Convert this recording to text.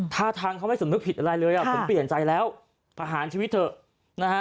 ท่าทางเขาไม่สำนึกผิดอะไรเลยอ่ะผมเปลี่ยนใจแล้วประหารชีวิตเถอะนะฮะ